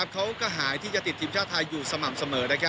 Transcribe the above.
เขาก็หายที่จะติดทีมชาติไทยอยู่สม่ำเสมอ